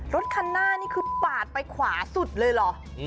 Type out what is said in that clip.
รถคันหน้านี่คือปาดไปขวาสุดเลยเหรอ